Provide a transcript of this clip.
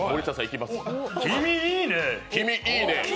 君、いいね！